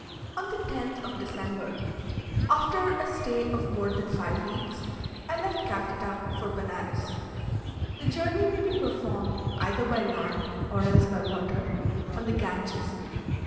On the 10th of December, after a stay of more than five weeks, I left Calcutta for Benares. The journey may be performed either by land, or else by water, on the Ganges.